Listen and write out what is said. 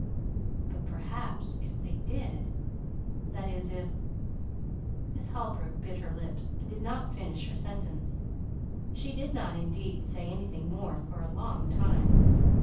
'" "But perhaps if they did that is if " Miss Holbrook bit her lips and did not finish her sentence. She did not, indeed, say anything more for a long time.